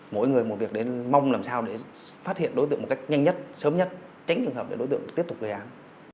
mỗi người một việc mong làm sao để phát hiện đối tượng một cách nhanh nhất sớm nhất tránh trường hợp để đối tượng tiếp tục gây án